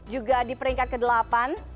juga di peringkat ke delapan